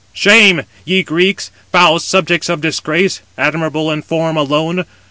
"Shame! ye Greeks! foul subjects of disgrace! admirable in form [alone].